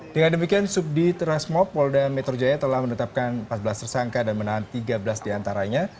dengan demikian subdit rasmob polda metro jaya telah menetapkan empat belas tersangka dan menahan tiga belas diantaranya